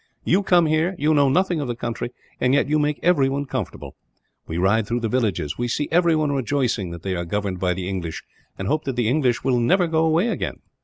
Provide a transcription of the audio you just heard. You come here; you know nothing of the country, and yet you make everyone comfortable. We ride through the villages; we see everyone rejoicing that they are governed by the English, and hoping that the English will never go away again.